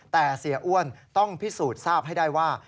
แต่เสียอ้วนต้องพิสูจน์ทราบให้ได้ว่า